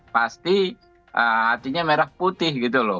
pasti hatinya merah putih gitu loh